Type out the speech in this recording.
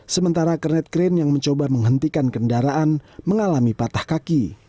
sementara kernet krain yang mencoba menghentikan kendaraan mengalami patah kaki